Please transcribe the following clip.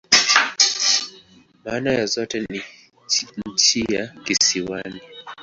Maana ya zote ni "nchi ya kisiwani.